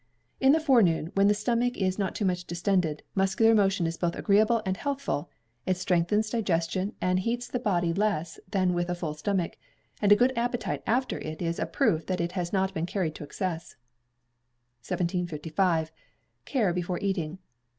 In the forenoon, when the stomach is not too much distended, muscular motion is both agreeable and healthful; it strengthens digestion, and heats the body less than with a full stomach; and a good appetite after it is a proof that it has not been carried to excess. 1755. Care Before Eating.